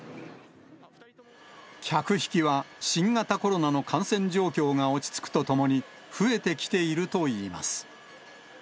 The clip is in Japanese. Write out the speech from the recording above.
客引きは新型コロナの感染状況が落ち着くとともに、増えてきているといいます。